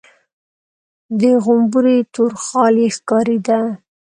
د غومبري تور خال يې ښکارېده.